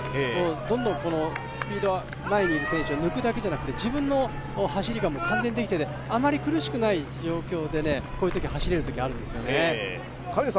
どんどんスピード、前にいる選手を抜くだけじゃなくて自分の走りが完全にできてあまり苦しくない状況で走れるときあるんですよね。